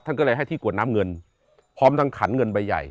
ก็เลยให้ที่กรวดน้ำเงินพร้อมทั้งขันเงินใบใหญ่